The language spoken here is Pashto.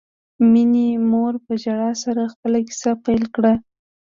مينې مور په ژړا سره خپله کیسه پیل کړه